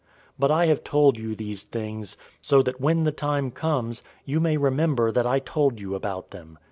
016:004 But I have told you these things, so that when the time comes, you may remember that I told you about them.